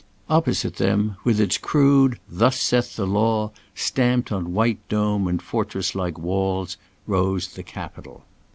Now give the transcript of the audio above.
Opposite them, with its crude "thus saith the law" stamped on white dome and fortress like walls, rose the Capitol.